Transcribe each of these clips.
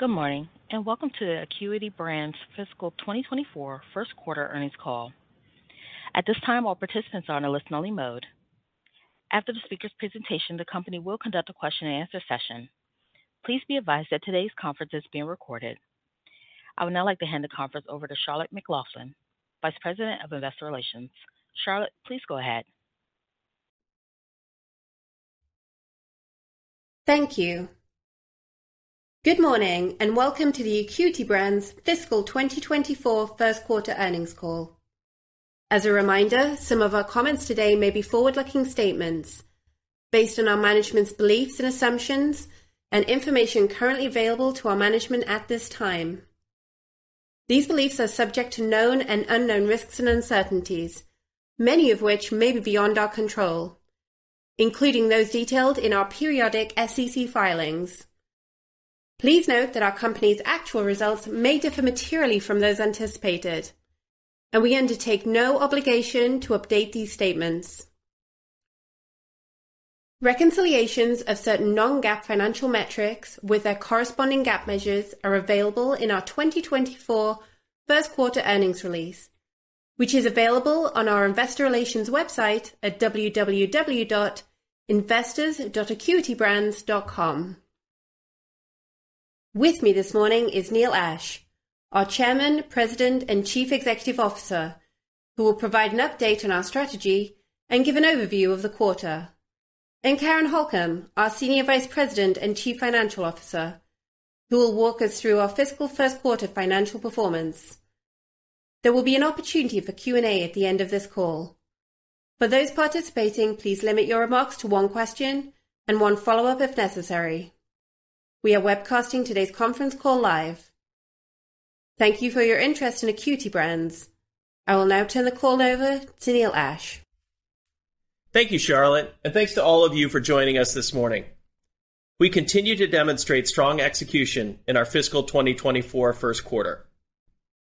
Good morning, and welcome to the Acuity Brands Fiscal 2024 first quarter earnings call. At this time, all participants are on a listen-only mode. After the speaker's presentation, the company will conduct a question-and-answer session. Please be advised that today's conference is being recorded. I would now like to hand the conference over to Charlotte McLaughlin, Vice President of Investor Relations. Charlotte, please go ahead. Thank you. Good morning, and welcome to the Acuity Brands Fiscal 2024 first quarter earnings call. As a reminder, some of our comments today may be forward-looking statements based on our management's beliefs and assumptions and information currently available to our management at this time. These beliefs are subject to known and unknown risks and uncertainties, many of which may be beyond our control, including those detailed in our periodic SEC filings. Please note that our company's actual results may differ materially from those anticipated, and we undertake no obligation to update these statements. Reconciliations of certain non-GAAP financial metrics with their corresponding GAAP measures are available in our 2024 first quarter earnings release, which is available on our investor relations website at www.investors.acuitybrands.com. With me this morning is Neil Ashe, our Chairman, President, and Chief Executive Officer, who will provide an update on our strategy and give an overview of the quarter. Karen Holcomb, our Senior Vice President and Chief Financial Officer, who will walk us through our fiscal first quarter financial performance. There will be an opportunity for Q&A at the end of this call. For those participating, please limit your remarks to one question and one follow-up if necessary. We are webcasting today's conference call live. Thank you for your interest in Acuity Brands. I will now turn the call over to Neil Ashe. Thank you, Charlotte, and thanks to all of you for joining us this morning. We continue to demonstrate strong execution in our fiscal 2024 first quarter.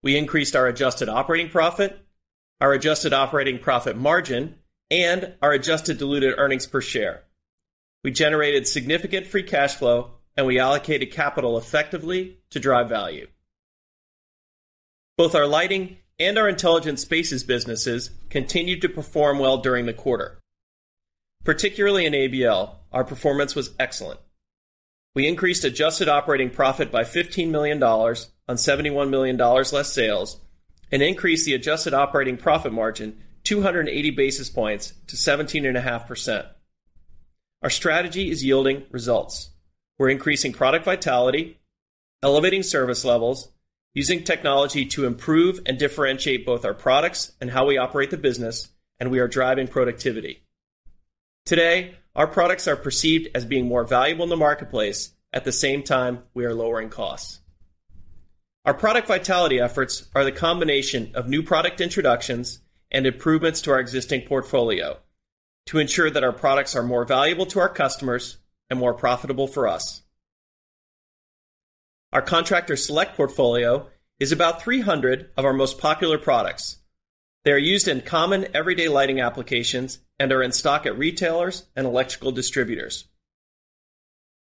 We increased our adjusted operating profit, our adjusted operating profit margin, and our adjusted diluted earnings per share. We generated significant free cash flow, and we allocated capital effectively to drive value. Both our lighting and our intelligent spaces businesses continued to perform well during the quarter. Particularly in ABL, our performance was excellent. We increased adjusted operating profit by $15 million on $71 million less sales and increased the adjusted operating profit margin 280 basis points to 17.5%. Our strategy is yielding results. We're increasing product vitality, elevating service levels, using technology to improve and differentiate both our products and how we operate the business, and we are driving productivity. Today, our products are perceived as being more valuable in the marketplace, at the same time, we are lowering costs. Our product vitality efforts are the combination of new product introductions and improvements to our existing portfolio to ensure that our products are more valuable to our customers and more profitable for us. Our Contractor Select portfolio is about 300 of our most popular products. They are used in common everyday lighting applications and are in stock at retailers and electrical distributors.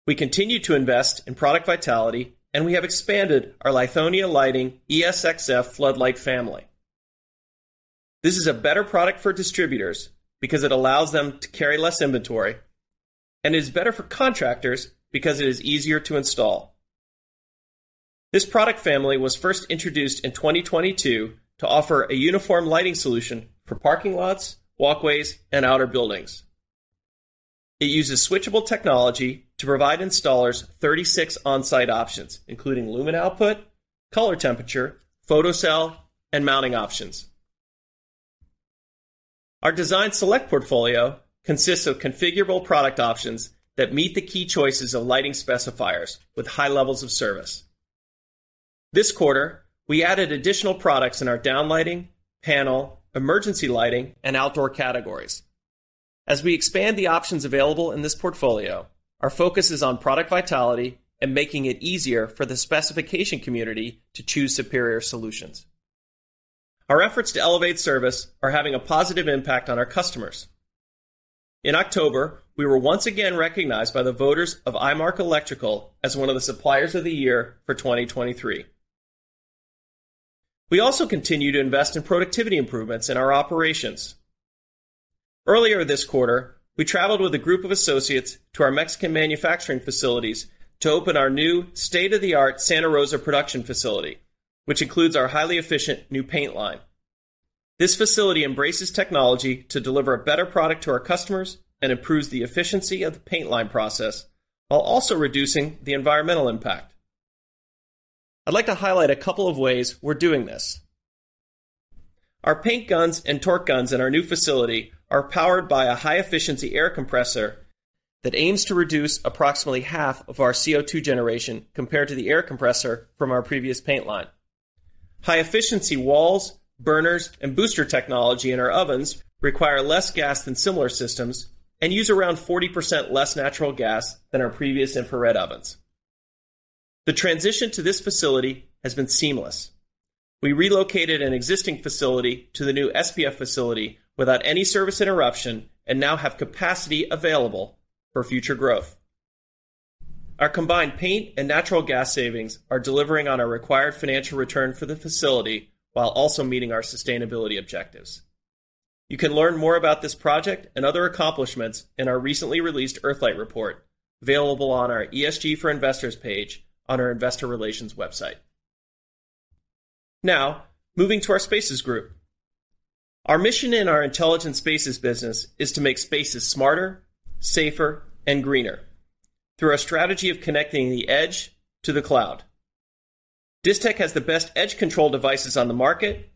We continue to invest in product vitality, and we have expanded our Lithonia Lighting ESXF floodlight family. This is a better product for distributors because it allows them to carry less inventory and is better for contractors because it is easier to install. This product family was first introduced in 2022 to offer a uniform lighting solution for parking lots, walkways, and outer buildings. It uses switchable technology to provide installers 36 on-site options, including lumen output, color temperature, photocell, and mounting options. Our Design Select portfolio consists of configurable product options that meet the key choices of lighting specifiers with high levels of service. This quarter, we added additional products in our down lighting, panel, emergency lighting, and outdoor categories. As we expand the options available in this portfolio, our focus is on product vitality and making it easier for the specification community to choose superior solutions. Our efforts to elevate service are having a positive impact on our customers. In October, we were once again recognized by the voters of IMARK Electrical as one of the suppliers of the year for 2023. We also continue to invest in productivity improvements in our operations. Earlier this quarter, we traveled with a group of associates to our Mexican manufacturing facilities to open our new state-of-the-art Santa Rosa production facility, which includes our highly efficient new paint line. This facility embraces technology to deliver a better product to our customers and improves the efficiency of the paint line process while also reducing the environmental impact. I'd like to highlight a couple of ways we're doing this. Our paint guns and torque guns in our new facility are powered by a high-efficiency air compressor that aims to reduce approximately half of our CO₂ generation compared to the air compressor from our previous paint line. High-efficiency walls, burners, and booster technology in our ovens require less gas than similar systems and use around 40% less natural gas than our previous infrared ovens. The transition to this facility has been seamless.... We relocated an existing facility to the new SPF facility without any service interruption and now have capacity available for future growth. Our combined paint and natural gas savings are delivering on our required financial return for the facility, while also meeting our sustainability objectives. You can learn more about this project and other accomplishments in our recently released EarthLIGHT Report, available on our ESG for Investors page on our Investor Relations website. Now, moving to our Intelligent Spaces Group. Our mission in our intelligent spaces business is to make spaces smarter, safer, and greener through a strategy of connecting the edge to the cloud. Distech has the best edge control devices on the market,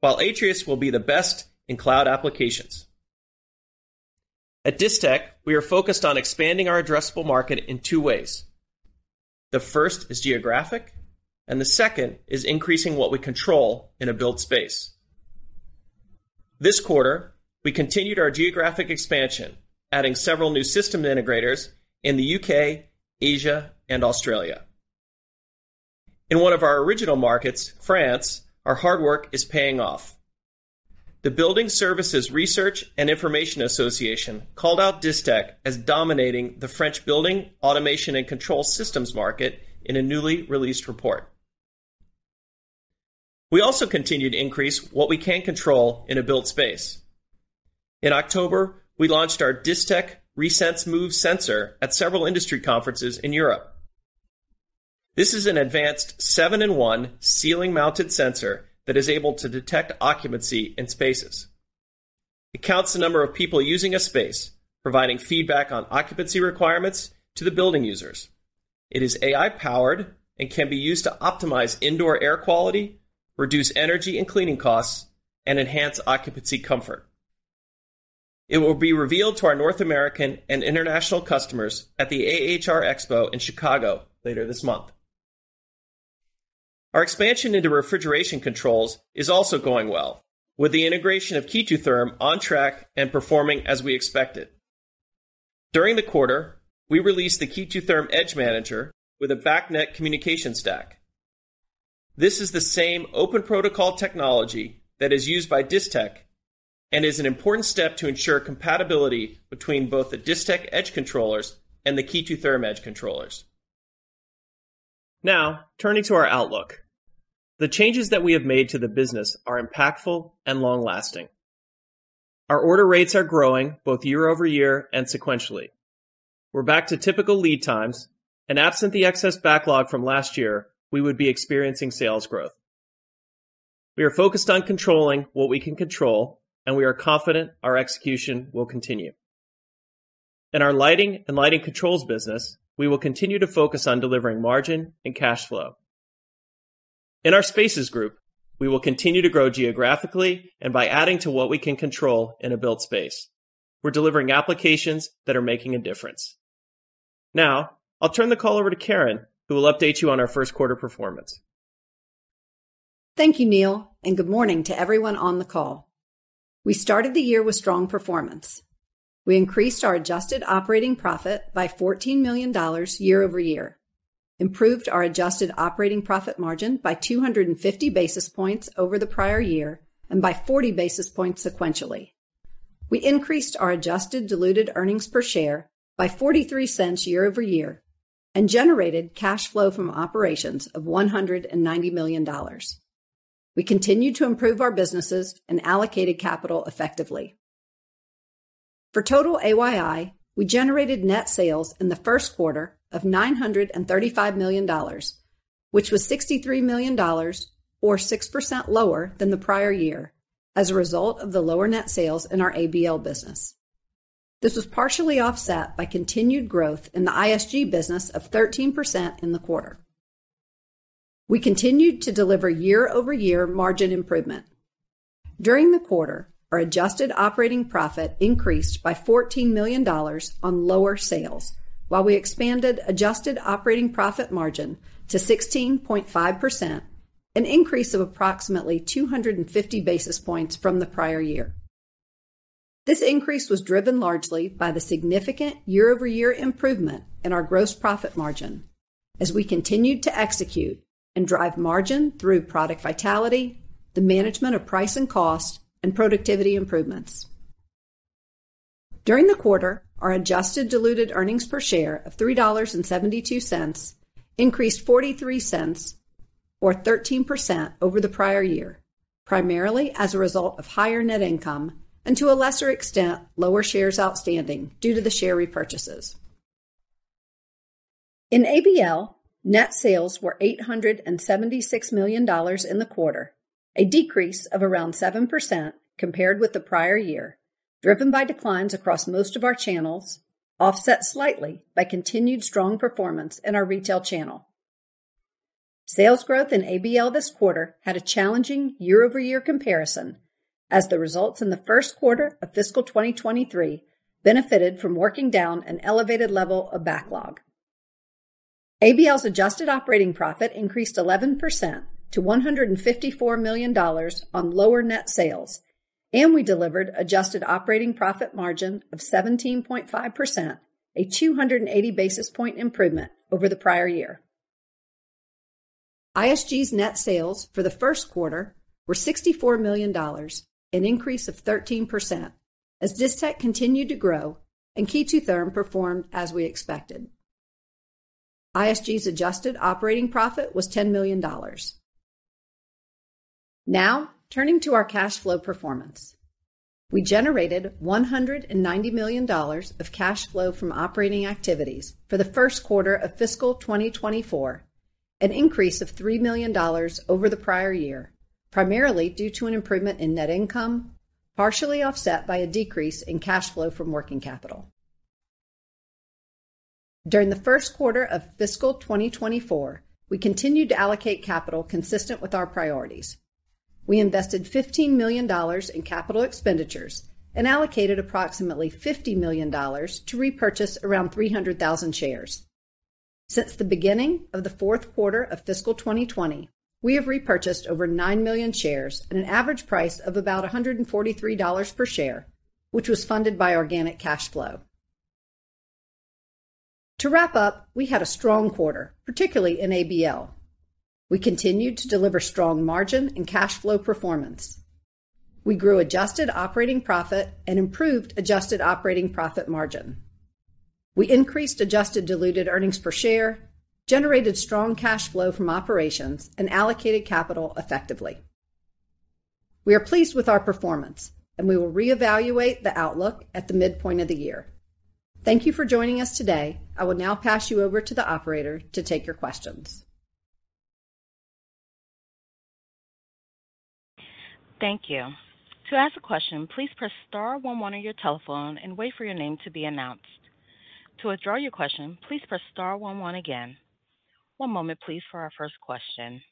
while Atrius will be the best in cloud applications. At Distech, we are focused on expanding our addressable market in two ways: the first is geographic, and the second is increasing what we control in a built space. This quarter, we continued our geographic expansion, adding several new system integrators in the U.K., Asia, and Australia. In one of our original markets, France, our hard work is paying off. The Building Services Research and Information Association called out Distech as dominating the French building automation, and control systems market in a newly released report. We also continued to increase what we can control in a built space. In October, we launched our Distech Resense Move sensor at several industry conferences in Europe. This is an advanced 7-in-1 ceiling-mounted sensor that is able to detect occupancy in spaces. It counts the number of people using a space, providing feedback on occupancy requirements to the building users. It is AI-powered and can be used to optimize indoor air quality, reduce energy and cleaning costs, and enhance occupancy comfort. It will be revealed to our North American and international customers at the AHR Expo in Chicago later this month. Our expansion into refrigeration controls is also going well, with the integration of KE2 Therm on track and performing as we expected. During the quarter, we released the KE2 Edge Manager with a BACnet communication stack. This is the same open protocol technology that is used by Distech and is an important step to ensure compatibility between both the Distech edge controllers and the KE2 Therm edge controllers. Now, turning to our outlook. The changes that we have made to the business are impactful and long-lasting. Our order rates are growing both year-over-year and sequentially. We're back to typical lead times, and absent the excess backlog from last year, we would be experiencing sales growth. We are focused on controlling what we can control, and we are confident our execution will continue. In our lighting and lighting controls business, we will continue to focus on delivering margin and cash flow. In our Spaces group, we will continue to grow geographically and by adding to what we can control in a built space. We're delivering applications that are making a difference. Now, I'll turn the call over to Karen, who will update you on our first quarter performance. Thank you, Neil, and good morning to everyone on the call. We started the year with strong performance. We increased our adjusted operating profit by $14 million year-over-year, improved our adjusted operating profit margin by 250 basis points over the prior year, and by 40 basis points sequentially. We increased our adjusted diluted earnings per share by $0.43 year-over-year and generated cash flow from operations of $190 million. We continued to improve our businesses and allocated capital effectively. For total AYI, we generated net sales in the first quarter of $935 million, which was $63 million or 6% lower than the prior year as a result of the lower net sales in our ABL business. This was partially offset by continued growth in the ISG business of 13% in the quarter. We continued to deliver year-over-year margin improvement. During the quarter, our adjusted operating profit increased by $14 million on lower sales, while we expanded adjusted operating profit margin to 16.5%, an increase of approximately 250 basis points from the prior year. This increase was driven largely by the significant year-over-year improvement in our gross profit margin as we continued to execute and drive margin through product vitality, the management of price and cost, and productivity improvements. During the quarter, our adjusted diluted earnings per share of $3.72 increased 43 cents or 13% over the prior year, primarily as a result of higher net income and, to a lesser extent, lower shares outstanding due to the share repurchases. In ABL, net sales were $876 million in the quarter, a decrease of around 7% compared with the prior year, driven by declines across most of our channels, offset slightly by continued strong performance in our retail channel. Sales growth in ABL this quarter had a challenging year-over-year comparison, as the results in the first quarter of fiscal 2023 benefited from working down an elevated level of backlog. ABL's adjusted operating profit increased 11% to $154 million on lower net sales, and we delivered adjusted operating profit margin of 17.5%, a 280 basis point improvement over the prior year. ISG's net sales for the first quarter were $64 million, an increase of 13%, as Distech continued to grow and KE2 Therm performed as we expected. ISG's adjusted operating profit was $10 million. Now, turning to our cash flow performance. We generated $190 million of cash flow from operating activities for the first quarter of fiscal 2024, an increase of $3 million over the prior year, primarily due to an improvement in net income, partially offset by a decrease in cash flow from working capital. During the first quarter of fiscal 2024, we continued to allocate capital consistent with our priorities. We invested $15 million in capital expenditures and allocated approximately $50 million to repurchase around 300,000 shares. Since the beginning of the fourth quarter of fiscal 2020, we have repurchased over 9 million shares at an average price of about $143 per share, which was funded by organic cash flow. To wrap up, we had a strong quarter, particularly in ABL. We continued to deliver strong margin and cash flow performance. We grew adjusted operating profit and improved adjusted operating profit margin. We increased adjusted diluted earnings per share, generated strong cash flow from operations, and allocated capital effectively. We are pleased with our performance, and we will reevaluate the outlook at the midpoint of the year. Thank you for joining us today. I will now pass you over to the operator to take your questions. Thank you. To ask a question, please press star one one on your telephone and wait for your name to be announced. To withdraw your question, please press star one one again. One moment, please, for our first question.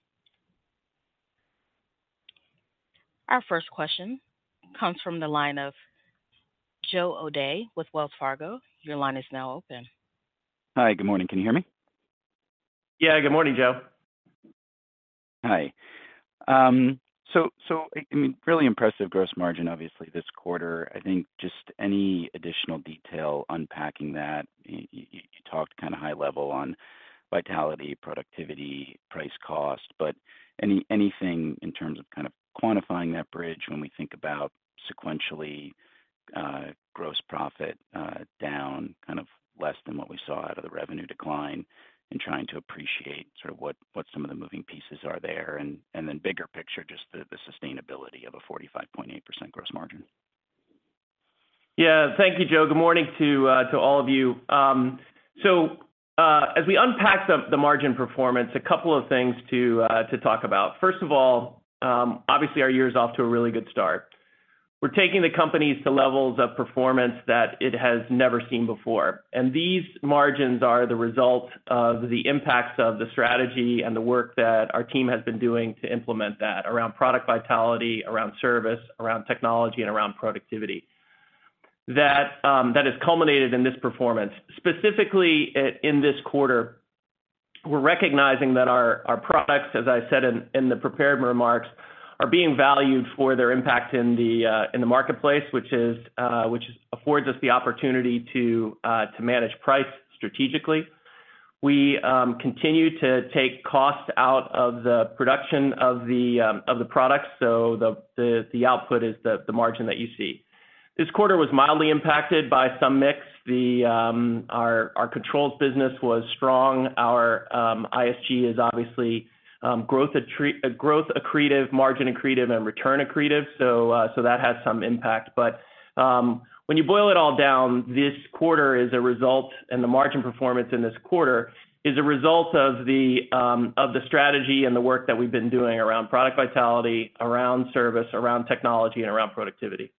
Our first question comes from the line of Joe O'Dea with Wells Fargo. Your line is now open. Hi, good morning. Can you hear me? Yeah, good morning, Joe. Hi. So, I mean, really impressive gross margin, obviously, this quarter. I think just any additional detail unpacking that, you talked kind of high level on vitality, productivity, price, cost, but anything in terms of kind of quantifying that bridge when we think about sequentially, gross profit, down kind of less than what we saw out of the revenue decline and trying to appreciate sort of what, what some of the moving pieces are there? And then bigger picture, just the sustainability of a 45.8% gross margin. Yeah. Thank you, Joe. Good morning to all of you. So, as we unpack the margin performance, a couple of things to talk about. First of all, obviously, our year is off to a really good start. We're taking the companies to levels of performance that it has never seen before, and these margins are the result of the impacts of the strategy and the work that our team has been doing to implement that around product vitality, around service, around technology, and around productivity. That has culminated in this performance. Specifically, in this quarter, we're recognizing that our products, as I said in the prepared remarks, are being valued for their impact in the marketplace, which affords us the opportunity to manage price strategically. We continue to take costs out of the production of the products, so the output is the margin that you see. This quarter was mildly impacted by some mix. Our controls business was strong. Our ISG is obviously growth accretive, margin accretive, and return accretive, so that has some impact. But when you boil it all down, this quarter is a result, and the margin performance in this quarter is a result of the strategy and the work that we've been doing around product vitality, around service, around technology, and around productivity.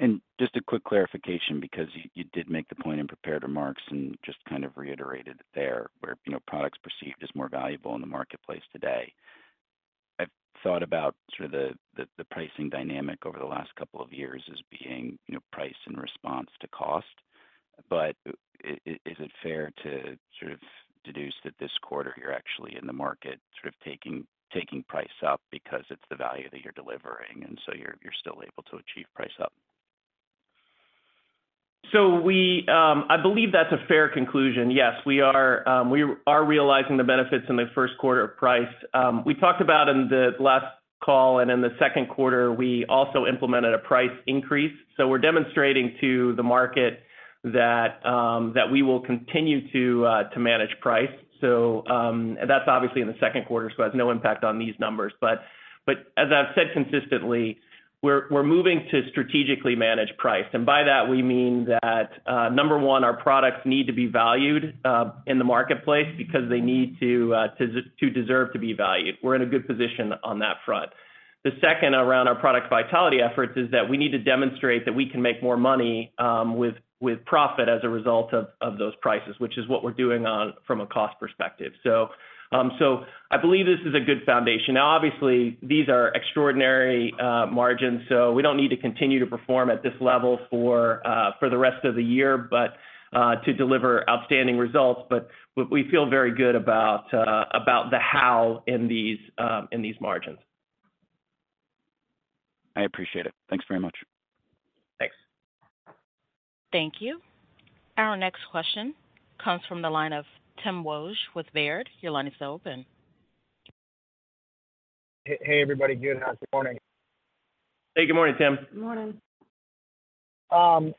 And just a quick clarification, because you did make the point in prepared remarks and just kind of reiterated it there, where, you know, products perceived as more valuable in the marketplace today. I've thought about sort of the pricing dynamic over the last couple of years as being, you know, price in response to cost. But is it fair to sort of deduce that this quarter, you're actually in the market, sort of taking price up because it's the value that you're delivering, and so you're still able to achieve price up? So we, I believe that's a fair conclusion. Yes, we are, we are realizing the benefits in the first quarter of price. We talked about in the last call and in the second quarter, we also implemented a price increase. So we're demonstrating to the market that we will continue to manage price. So, that's obviously in the second quarter, so it has no impact on these numbers. But as I've said consistently, we're moving to strategically manage price. And by that we mean that, number one, our products need to be valued in the marketplace because they need to deserve to be valued. We're in a good position on that front. The second, around our product vitality efforts, is that we need to demonstrate that we can make more money with profit as a result of those prices, which is what we're doing from a cost perspective. So I believe this is a good foundation. Now, obviously, these are extraordinary margins, so we don't need to continue to perform at this level for the rest of the year, but to deliver outstanding results. But we feel very good about how these margins.... I appreciate it. Thanks very much. Thanks. Thank you. Our next question comes from the line of Tim Wojs with Baird. Your line is open. Hey, everybody, good morning. Hey, good morning, Tim. Good morning.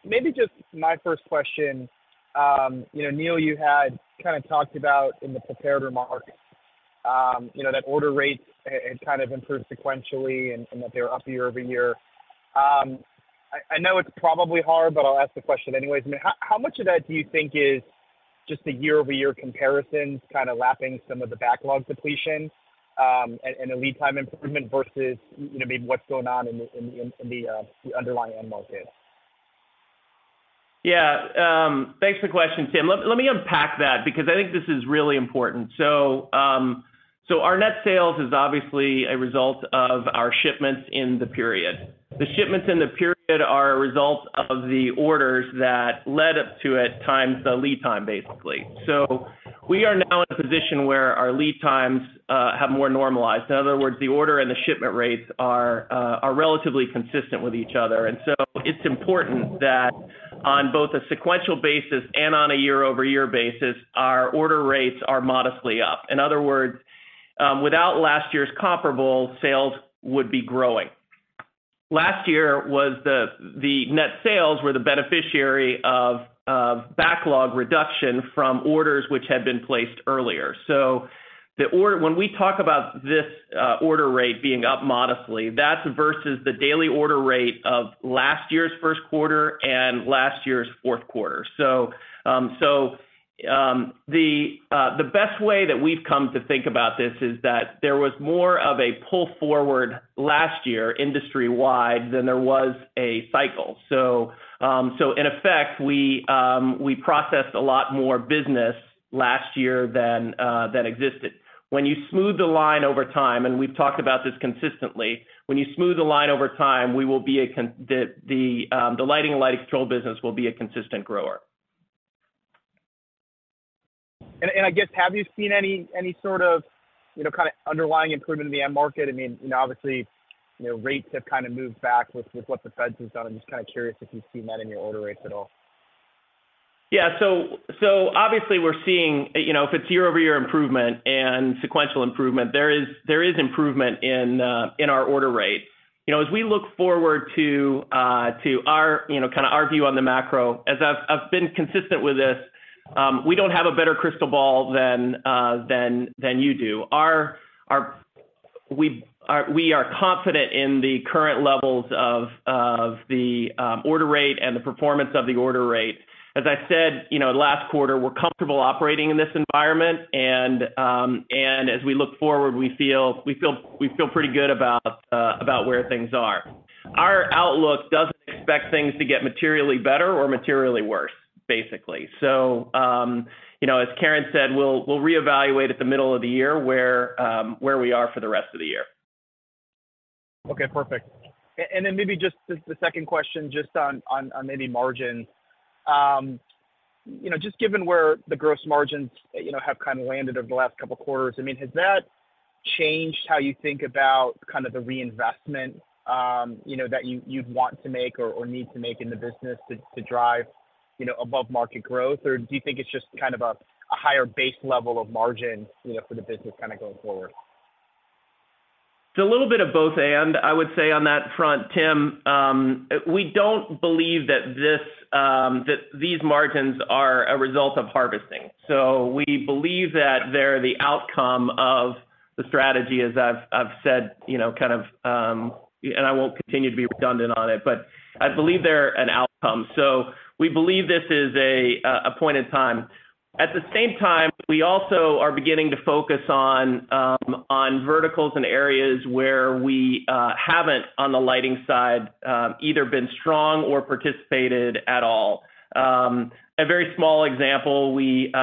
Maybe just my first question, you know, Neil, you had kind of talked about in the prepared remarks, you know, that order rates had kind of improved sequentially and that they were up year-over-year. I know it's probably hard, but I'll ask the question anyways. I mean, how much of that do you think is just a year-over-year comparison, kind of lapping some of the backlog depletion, and a lead time improvement versus, you know, maybe what's going on in the underlying end market? Yeah, thanks for the question, Tim. Let me unpack that because I think this is really important. So, our net sales is obviously a result of our shipments in the period. The shipments in the period are a result of the orders that led up to it, times the lead time, basically. So we are now in a position where our lead times have more normalized. In other words, the order and the shipment rates are relatively consistent with each other. And so it's important that on both a sequential basis and on a year-over-year basis, our order rates are modestly up. In other words, without last year's comparable, sales would be growing. Last year, the net sales were the beneficiary of backlog reduction from orders which had been placed earlier. So the order, when we talk about this, order rate being up modestly, that's versus the daily order rate of last year's first quarter and last year's fourth quarter. So, the best way that we've come to think about this is that there was more of a pull forward last year, industry-wide, than there was a cycle. So, in effect, we processed a lot more business last year than existed. When you smooth the line over time, and we've talked about this consistently, when you smooth the line over time, the lighting and lighting control business will be a consistent grower. I guess have you seen any sort of, you know, kind of underlying improvement in the end market? I mean, you know, obviously, you know, rates have kind of moved back with what the Fed has done. I'm just kind of curious if you've seen that in your order rates at all. Yeah. So obviously we're seeing, you know, if it's year-over-year improvement and sequential improvement, there is improvement in our order rate. You know, as we look forward to our, you know, kind of our view on the macro, as I've been consistent with this, we don't have a better crystal ball than you do. We are confident in the current levels of the order rate and the performance of the order rate. As I said, you know, last quarter, we're comfortable operating in this environment, and as we look forward, we feel pretty good about where things are. Our outlook doesn't expect things to get materially better or materially worse, basically. So, you know, as Karen said, we'll reevaluate at the middle of the year where we are for the rest of the year. Okay, perfect. And then maybe just as the second question, just on margin. You know, just given where the gross margins, you know, have kind of landed over the last couple of quarters, I mean, has that changed how you think about kind of the reinvestment, you know, that you, you'd want to make or need to make in the business to drive, you know, above market growth? Or do you think it's just kind of a higher base level of margin, you know, for the business kind of going forward? It's a little bit of both, and I would say on that front, Tim, we don't believe that this, that these margins are a result of harvesting. So we believe that they're the outcome of the strategy, as I've, I've said, you know, kind of, and I won't continue to be redundant on it, but I believe they're an outcome. So we believe this is a, a point in time. At the same time, we also are beginning to focus on, on verticals and areas where we, haven't, on the lighting side, either been strong or participated at all. A very small example, we,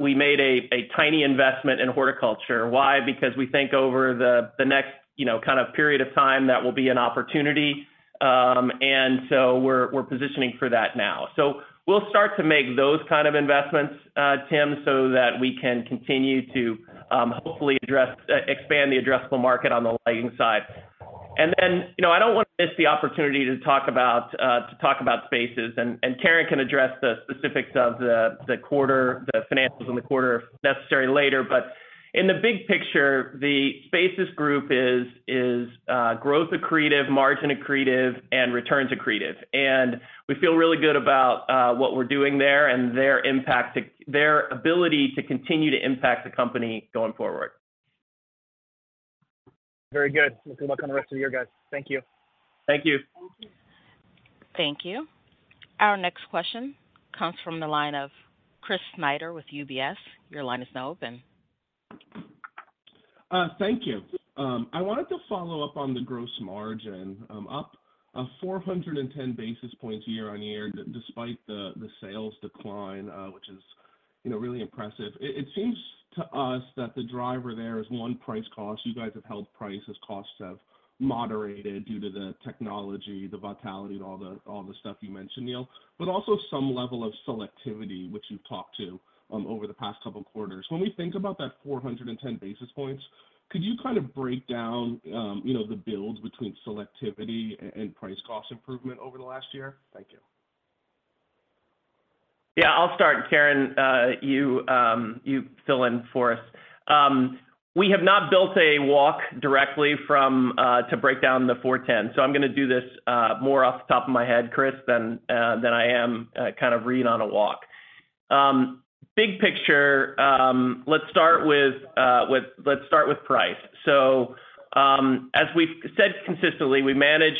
we made a, a tiny investment in horticulture. Why? Because we think over the, the next, you know, kind of period of time, that will be an opportunity, and so we're, we're positioning for that now. So we'll start to make those kind of investments, Tim, so that we can continue to hopefully expand the addressable market on the lighting side. And then, you know, I don't want to miss the opportunity to talk about spaces, and Karen can address the specifics of the quarter, the financials in the quarter if necessary, later. But in the big picture, the spaces group is growth accretive, margin accretive, and return accretive. And we feel really good about what we're doing there and their ability to continue to impact the company going forward. Very good. Good luck on the rest of the year, guys. Thank you. Thank you. Thank you. Thank you. Our next question comes from the line of Chris Snyder with UBS. Your line is now open. Thank you. I wanted to follow up on the gross margin, up 410 basis points year-over-year, despite the sales decline, which is, you know, really impressive. It seems to us that the driver there is, one, price cost. You guys have held prices. Costs have moderated due to the technology, the vitality, and all the stuff you mentioned, Neil, but also some level of selectivity, which you've talked to over the past couple of quarters. When we think about that 410 basis points, could you kind of break down, you know, the build between selectivity and price cost improvement over the last year? Thank you.... Yeah, I'll start, Karen, you fill in for us. We have not built a walk directly from to break down the 410, so I'm gonna do this more off the top of my head, Chris, than I am kind of reading on a walk. Big picture, let's start with price. So, as we've said consistently, we manage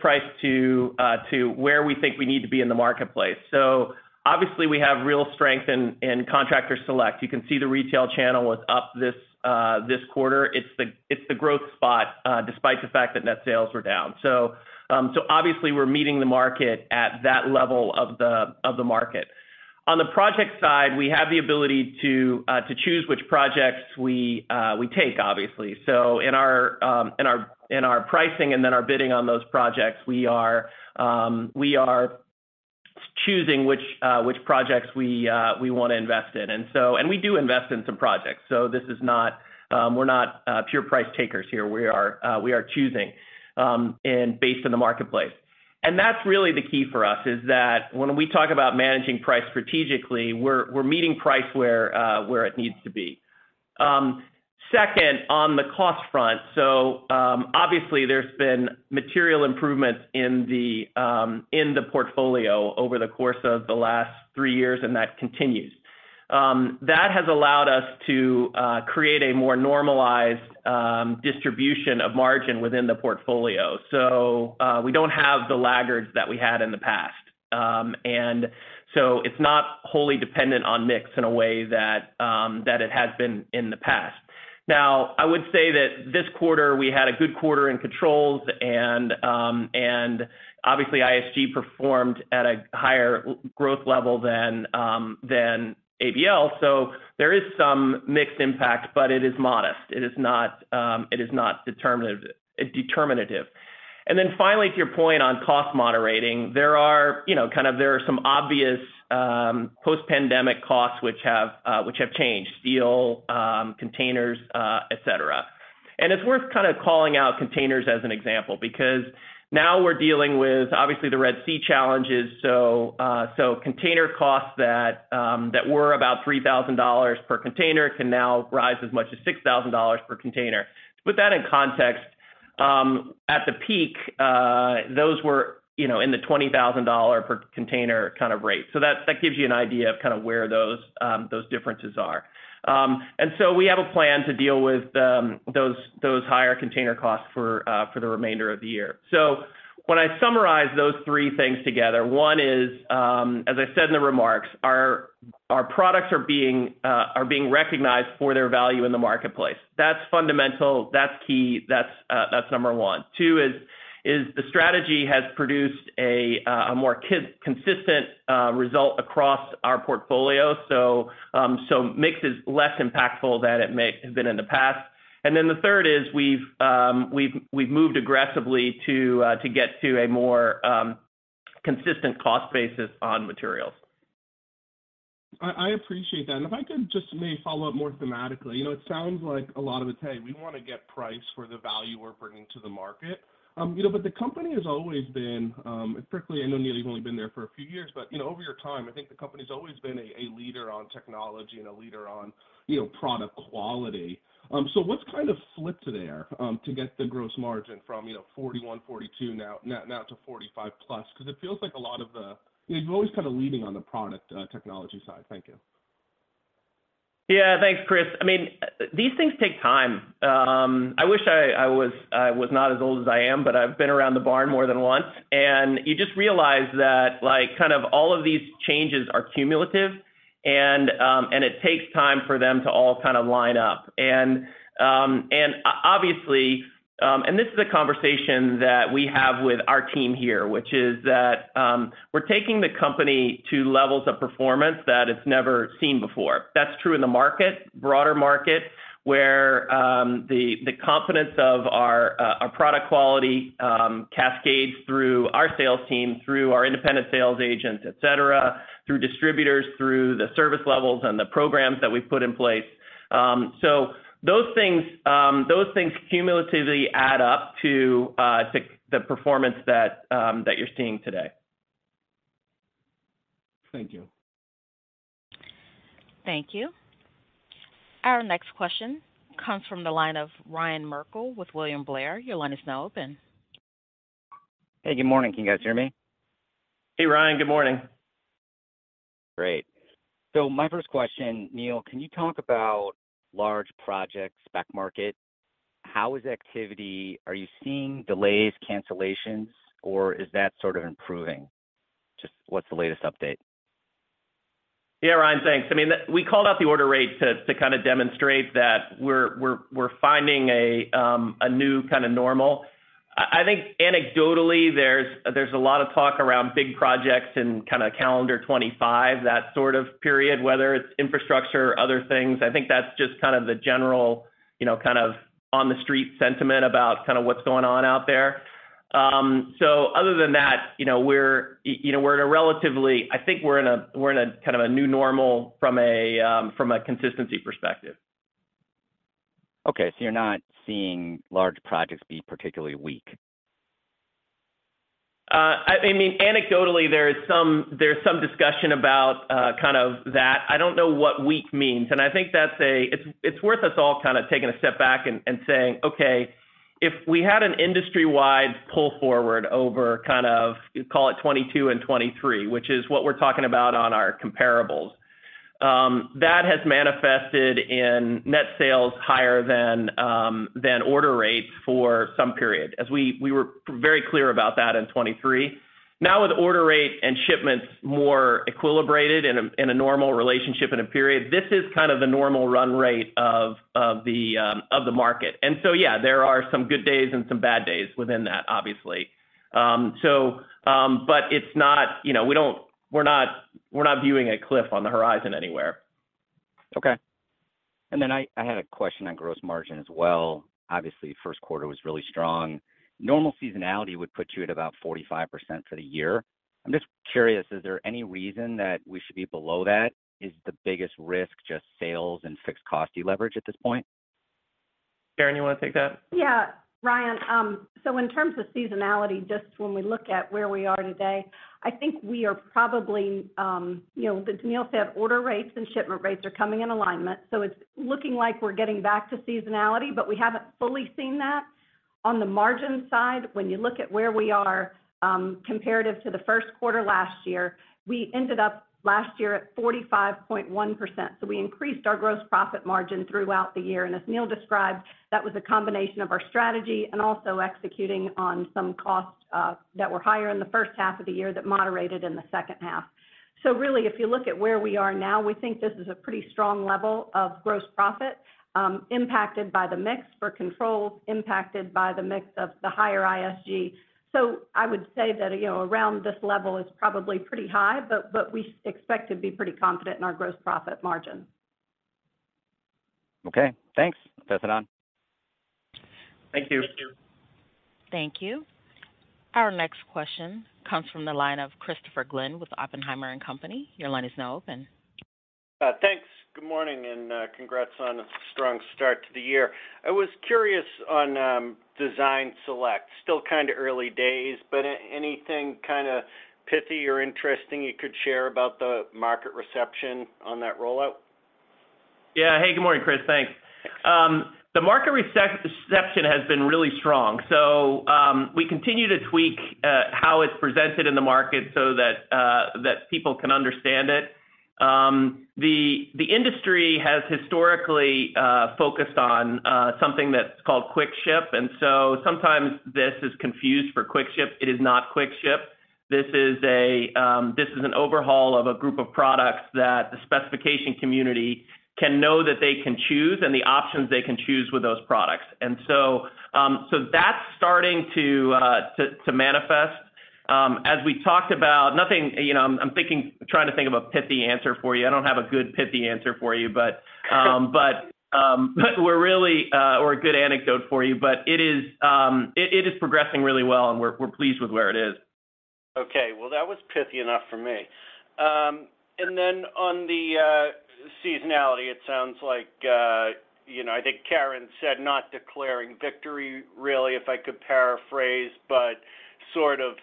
price to where we think we need to be in the marketplace. So obviously, we have real strength in Contractor Select. You can see the retail channel was up this quarter. It's the growth spot, despite the fact that net sales were down. So obviously, we're meeting the market at that level of the market. On the project side, we have the ability to choose which projects we take, obviously. So in our pricing and then our bidding on those projects, we are choosing which projects we wanna invest in. And we do invest in some projects, so this is not, we're not pure price takers here. We are choosing and based on the marketplace. And that's really the key for us, is that when we talk about managing price strategically, we're meeting price where it needs to be. Second, on the cost front, so obviously there's been material improvements in the portfolio over the course of the last three years, and that continues. That has allowed us to create a more normalized distribution of margin within the portfolio. So, we don't have the laggards that we had in the past. And so it's not wholly dependent on mix in a way that it has been in the past. Now, I would say that this quarter, we had a good quarter in controls, and obviously, ISG performed at a higher growth level than ABL. So there is some mixed impact, but it is modest. It is not determinative. And then finally, to your point on cost moderating, there are, you know, kind of, some obvious post-pandemic costs which have changed: steel, containers, et cetera. And it's worth kind of calling out containers as an example, because now we're dealing with, obviously, the Red Sea challenges. So, container costs that were about $3,000 per container can now rise as much as $6,000 per container. To put that in context, at the peak, those were, you know, in the $20,000 per container kind of rate. So that gives you an idea of kind of where those differences are. And so we have a plan to deal with those higher container costs for the remainder of the year. So when I summarize those three things together, one is, as I said in the remarks, our products are being recognized for their value in the marketplace. That's fundamental, that's key, that's number one. Two is the strategy has produced a more consistent result across our portfolio, so, so mix is less impactful than it may have been in the past. And then the third is, we've moved aggressively to get to a more consistent cost basis on materials. I appreciate that. And if I could just maybe follow up more thematically. You know, it sounds like a lot of it's, "Hey, we wanna get price for the value we're bringing to the market." You know, but the company has always been, frankly, I know, Neil, you've only been there for a few years, but, you know, over your time, I think the company's always been a leader on technology and a leader on, you know, product quality. So what's kind of flipped there to get the gross margin from 41%-42% now to 45%+? Because it feels like a lot of the, you've always kind of leading on the product technology side. Thank you. Yeah. Thanks, Chris. I mean, these things take time. I wish I was not as old as I am, but I've been around the barn more than once, and you just realize that, like, kind of all of these changes are cumulative, and it takes time for them to all kind of line up. And obviously, this is a conversation that we have with our team here, which is that, we're taking the company to levels of performance that it's never seen before. That's true in the market, broader market, where the confidence of our product quality cascades through our sales team, through our independent sales agents, et cetera, through distributors, through the service levels and the programs that we've put in place. So those things cumulatively add up to the performance that you're seeing today. Thank you. Thank you. Our next question comes from the line of Ryan Merkel with William Blair. Your line is now open. Hey, good morning. Can you guys hear me? Hey, Ryan. Good morning. Great. So my first question, Neil, can you talk about large projects, spec market? How is activity... Are you seeing delays, cancellations, or is that sort of improving? Just what's the latest update? Yeah, Ryan, thanks. I mean, we called out the order rate to kind of demonstrate that we're finding a new kind of normal. I think anecdotally, there's a lot of talk around big projects and kind of calendar 2025, that sort of period, whether it's infrastructure or other things. I think that's just kind of the general, you know, kind of on-the-street sentiment about kind of what's going on out there. So other than that, you know, we're in a relatively- I think we're in a kind of a new normal from a consistency perspective. ... Okay, so you're not seeing large projects be particularly weak? I mean, anecdotally, there is some—there's some discussion about kind of that. I don't know what weak means, and I think that's—it's worth us all kind of taking a step back and saying, okay, if we had an industry-wide pull forward over kind of, call it 2022 and 2023, which is what we're talking about on our comparables, that has manifested in net sales higher than order rates for some period, as we were very clear about that in 2023. Now, with order rate and shipments more equilibrated in a normal relationship in a period, this is kind of the normal run rate of the market. And so, yeah, there are some good days and some bad days within that, obviously. So, but it's not, you know, we don't, we're not, we're not viewing a cliff on the horizon anywhere. Okay. And then I had a question on gross margin as well. Obviously, first quarter was really strong. Normal seasonality would put you at about 45% for the year. I'm just curious, is there any reason that we should be below that? Is the biggest risk just sales and fixed cost leverage at this point? Karen, you wanna take that? Yeah, Ryan, so in terms of seasonality, just when we look at where we are today, I think we are probably, you know, as Neil said, order rates and shipment rates are coming in alignment, so it's looking like we're getting back to seasonality, but we haven't fully seen that. On the margin side, when you look at where we are, comparative to the first quarter last year, we ended up last year at 45.1%. So we increased our gross profit margin throughout the year, and as Neil described, that was a combination of our strategy and also executing on some costs, that were higher in the first half of the year that moderated in the second half. So really, if you look at where we are now, we think this is a pretty strong level of gross profit, impacted by the mix for controls, impacted by the mix of the higher ISG. So I would say that, you know, around this level is probably pretty high, but we expect to be pretty confident in our gross profit margin. Okay, thanks. Passing on. Thank you. Thank you. Thank you. Our next question comes from the line of Christopher Glynn with Oppenheimer and Company. Your line is now open. Thanks. Good morning, and congrats on a strong start to the year. I was curious on Design Select. Still kind of early days, but anything kinda pithy or interesting you could share about the market reception on that rollout? Yeah. Hey, good morning, Chris. Thanks. The market reception has been really strong, so we continue to tweak how it's presented in the market so that that people can understand it. The industry has historically focused on something that's called QuickShip, and so sometimes this is confused for QuickShip. It is not QuickShip. This is a, this is an overhaul of a group of products that the specification community can know that they can choose and the options they can choose with those products. And so, so that's starting to to manifest. As we talked about, nothing, you know, I'm, I'm thinking, trying to think of a pithy answer for you. I don't have a good pithy answer for you, but, but, we're really...or a good anecdote for you, but it is progressing really well, and we're pleased with where it is. Okay. Well, that was pithy enough for me. And then on the seasonality, it sounds like, you know, I think Karen said, "Not declaring victory, really," if I could paraphrase, but sort of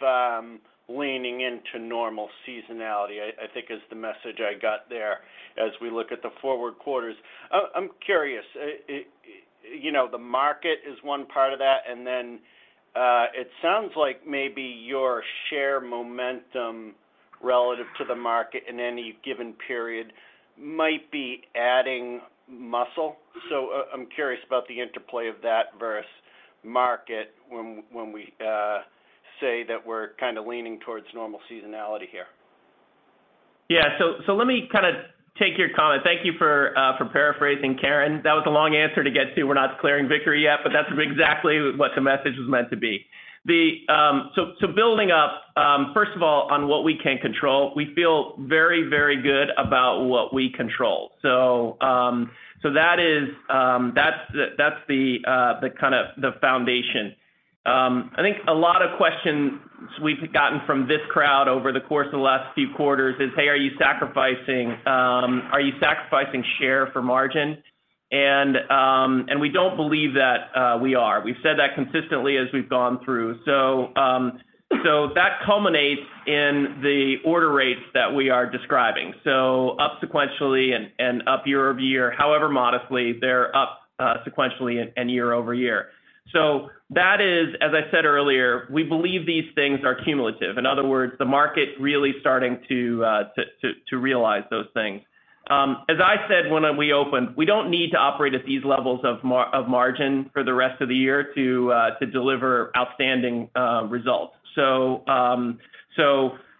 leaning into normal seasonality, I think is the message I got there as we look at the forward quarters. I'm curious, you know, the market is one part of that, and then it sounds like maybe your share momentum relative to the market in any given period might be adding muscle. So, I'm curious about the interplay of that versus market when we say that we're kind of leaning towards normal seasonality here. Yeah. So, so let me kinda take your comment. Thank you for, for paraphrasing Karen. That was a long answer to get to, "We're not declaring victory yet," but that's exactly what the message was meant to be. The, so, so building up, first of all, on what we can control, we feel very, very good about what we control. So, so that is, that's the, that's the, the kind of the foundation. I think a lot of questions we've gotten from this crowd over the course of the last few quarters is: Hey, are you sacrificing, are you sacrificing share for margin? And, and we don't believe that, we are. We've said that consistently as we've gone through. So, so that culminates in the order rates that we are describing. So up sequentially and up year over year. However modestly, they're up sequentially and year over year. So that is, as I said earlier, we believe these things are cumulative. In other words, the market really starting to realize those things. As I said when we opened, we don't need to operate at these levels of margin for the rest of the year to deliver outstanding results. So,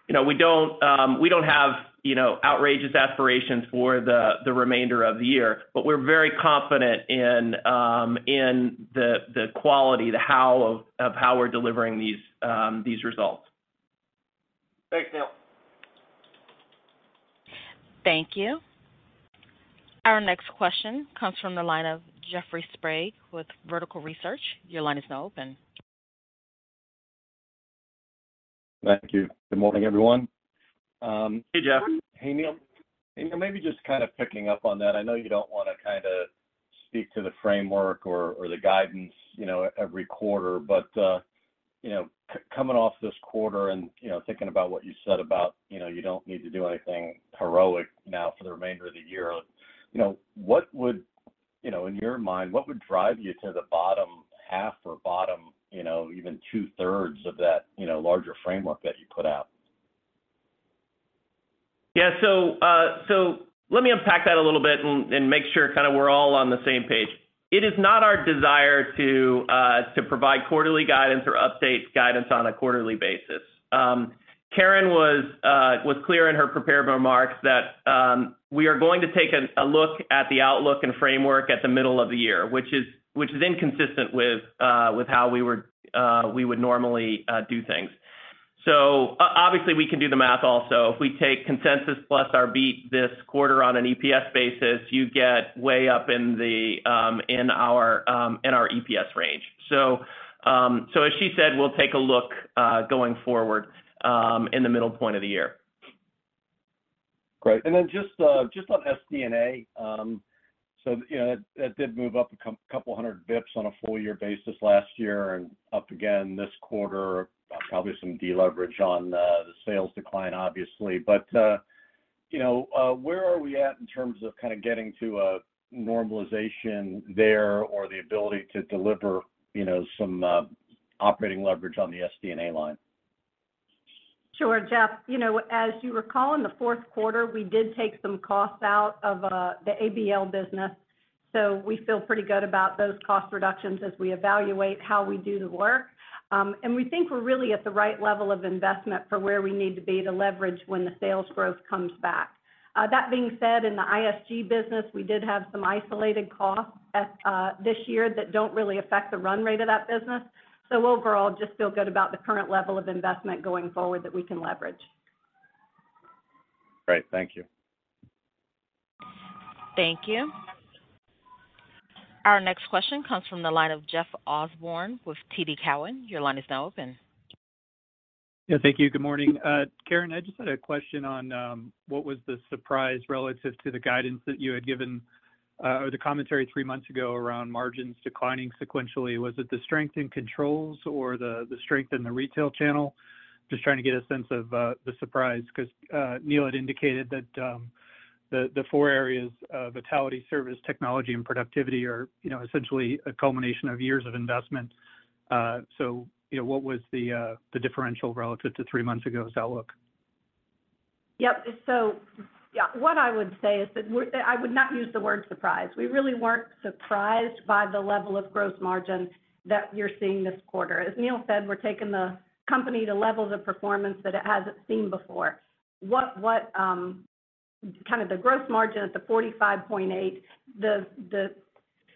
you know, we don't, we don't have, you know, outrageous aspirations for the remainder of the year, but we're very confident in the quality, the how of how we're delivering these results. Thanks, Neil. Thank you. Our next question comes from the line of Jeffrey Sprague with Vertical Research. Your line is now open.... Thank you. Good morning, everyone. Hey, Jeff. Hey, Neil. You know, maybe just kind of picking up on that, I know you don't want to kind of speak to the framework or the guidance, you know, every quarter. But, you know, coming off this quarter and, you know, thinking about what you said about, you know, you don't need to do anything heroic now for the remainder of the year. You know, what would, you know, in your mind, what would drive you to the bottom half or bottom, you know, even two-thirds of that, you know, larger framework that you put out? Yeah. So, let me unpack that a little bit and make sure kind of we're all on the same page. It is not our desire to provide quarterly guidance or update guidance on a quarterly basis. Karen was clear in her prepared remarks that we are going to take a look at the outlook and framework at the middle of the year, which is inconsistent with how we would normally do things. So obviously, we can do the math also. If we take consensus plus our beat this quarter on an EPS basis, you get way up in our EPS range. So as she said, we'll take a look going forward in the middle point of the year. Great. And then just, just on SG&A. So, you know, that did move up a couple hundred basis points on a full year basis last year and up again this quarter, probably some deleverage on, the sales decline, obviously. But, you know, where are we at in terms of kind of getting to a normalization there, or the ability to deliver, you know, some, operating leverage on the SDNA line? Sure, Jeff. You know, as you recall, in the fourth quarter, we did take some costs out of the ABL business, so we feel pretty good about those cost reductions as we evaluate how we do the work. And we think we're really at the right level of investment for where we need to be to leverage when the sales growth comes back. That being said, in the ISG business, we did have some isolated costs at this year that don't really affect the run rate of that business. So overall, just feel good about the current level of investment going forward that we can leverage. Great. Thank you. Thank you. Our next question comes from the line of Jeff Osborne with TD Cowen. Your line is now open. Yeah, thank you. Good morning. Karen, I just had a question on what was the surprise relative to the guidance that you had given or the commentary three months ago around margins declining sequentially? Was it the strength in controls or the strength in the retail channel? Just trying to get a sense of the surprise, because Neil had indicated that the four areas of vitality, service, technology, and productivity are, you know, essentially a culmination of years of investment. So, you know, what was the differential relative to three months ago's outlook? Yep. So, yeah, what I would say is that we're—I would not use the word surprise. We really weren't surprised by the level of gross margin that we're seeing this quarter. As Neil said, we're taking the company to levels of performance that it hasn't seen before. What kind of the gross margin at the 45.8, the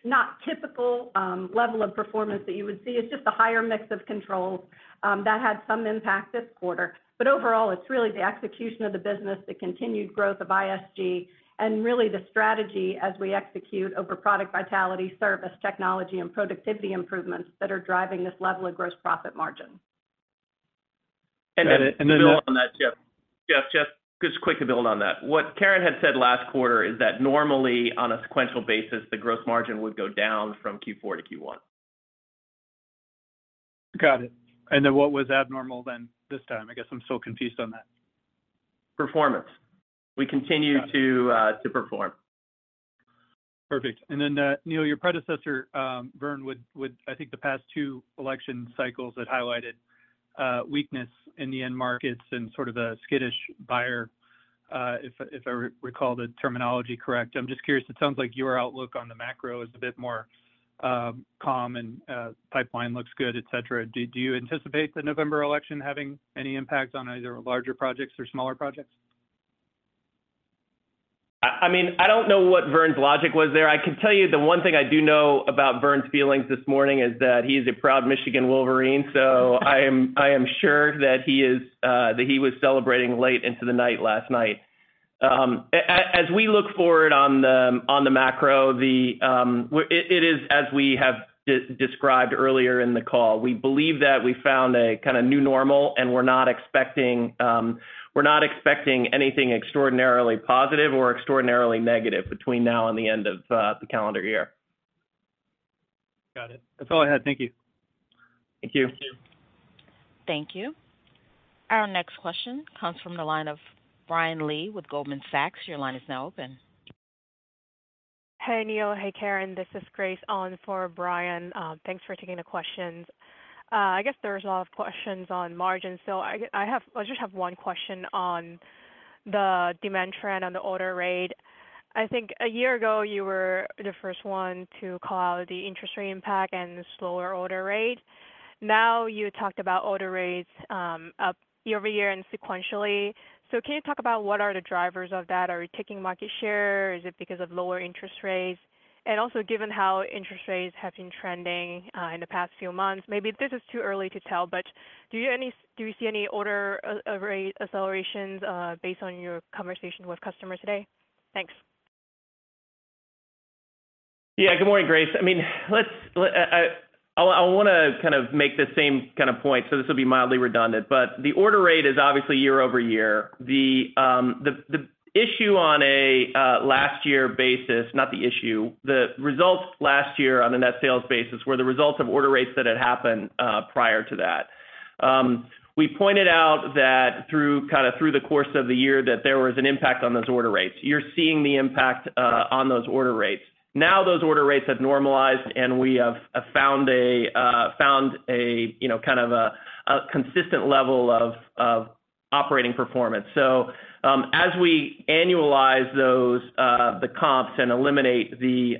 not typical level of performance that you would see, it's just a higher mix of controls that had some impact this quarter. But overall, it's really the execution of the business, the continued growth of ISG, and really the strategy as we execute over product vitality, service, technology, and productivity improvements that are driving this level of gross profit margin. Got it, and then that- Jeff, just quick to build on that. What Karen had said last quarter is that normally on a sequential basis, the gross margin would go down from Q4 to Q1. Got it. And then what was abnormal then this time? I guess I'm still confused on that. Performance. Got it. We continue to perform. Perfect. And then, Neil, your predecessor, Vern, would. I think the past two election cycles had highlighted weakness in the end markets and sort of a skittish buyer, if I recall the terminology correct. I'm just curious. It sounds like your outlook on the macro is a bit more calm and pipeline looks good, et cetera. Do you anticipate the November election having any impact on either larger projects or smaller projects? I mean, I don't know what Vern's logic was there. I can tell you the one thing I do know about Vern's feelings this morning is that he's a proud Michigan Wolverine, so I am sure that he was celebrating late into the night last night. As we look forward on the macro, it is, as we have described earlier in the call, we believe that we found a kind of new normal, and we're not expecting, we're not expecting anything extraordinarily positive or extraordinarily negative between now and the end of the calendar year. Got it. That's all I had. Thank you. Thank you. Thank you. Our next question comes from the line of Brian Lee with Goldman Sachs. Your line is now open. Hey, Neil. Hey, Karen. This is Grace on for Brian. Thanks for taking the questions. I guess there's a lot of questions on margins, so I just have one question on the demand trend on the order rate. I think a year ago you were the first one to call out the interest rate impact and the slower order rate. Now, you talked about order rates up year over year and sequentially. So can you talk about what are the drivers of that? Are we taking market share? Is it because of lower interest rates? And also, given how interest rates have been trending in the past few months, maybe this is too early to tell, but do you see any order rate accelerations based on your conversations with customers today? Thanks.... Yeah, good morning, Grace. I mean, let's I wanna kind of make the same kind of point, so this will be mildly redundant. But the order rate is obviously year-over-year. The issue on a last year basis, not the issue, the results last year on a net sales basis were the results of order rates that had happened prior to that. We pointed out that through, kind of through the course of the year, that there was an impact on those order rates. You're seeing the impact on those order rates. Now, those order rates have normalized, and we have found a, you know, kind of a consistent level of operating performance. So, as we annualize those, the comps and eliminate the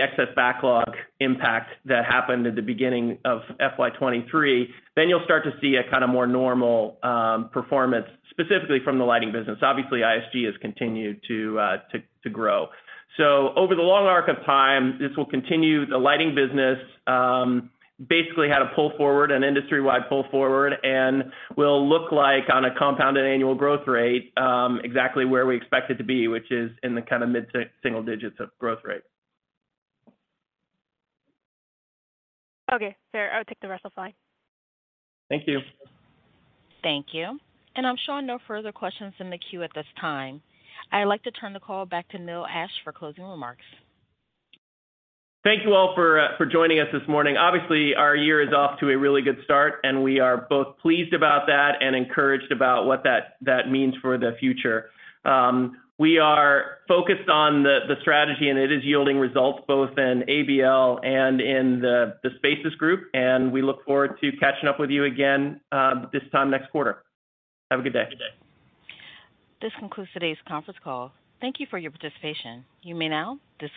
excess backlog impact that happened at the beginning of FY 2023, then you'll start to see a kinda more normal performance, specifically from the lighting business. Obviously, ISG has continued to grow. So over the long arc of time, this will continue. The lighting business, basically, had a pull forward, an industry-wide pull forward, and will look like on a compounded annual growth rate, exactly where we expect it to be, which is in the kind of mid-single digits of growth rate. Okay, fair. I'll take the rest of the slide. Thank you. Thank you. I'm showing no further questions in the queue at this time. I'd like to turn the call back to Neil Ashe for closing remarks. Thank you all for joining us this morning. Obviously, our year is off to a really good start, and we are both pleased about that and encouraged about what that means for the future. We are focused on the strategy, and it is yielding results both in ABL and in the Spaces group, and we look forward to catching up with you again this time next quarter. Have a good day. This concludes today's conference call. Thank you for your participation. You may now disconnect.